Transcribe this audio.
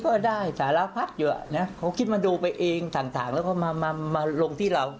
ก็ได้สารพัดอยู่นะเขาคิดมาดูไปเองต่างแล้วก็มาลงที่เรา